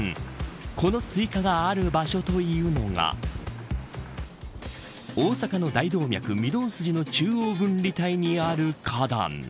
このスイカがある場所というのが大阪の大動脈、御堂筋の中央分離帯にある花壇。